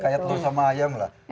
kayak telur sama ayam lah